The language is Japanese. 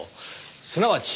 すなわち１。